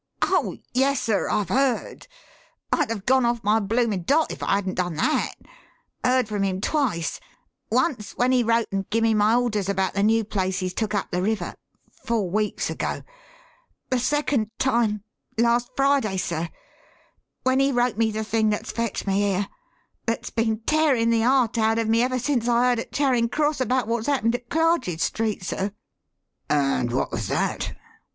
"Oh, yes, sir, I've heard I'd have gone off my bloomin' dot if I hadn't done that. Heard from him twice. Once when he wrote and gimme my orders about the new place he's took up the river four weeks ago. The second time, last Friday, sir, when he wrote me the thing that's fetched me here that's been tearin' the heart out of me ever since I heard at Charing Cross about wot's happened at Clarges Street, sir." "And what was that?"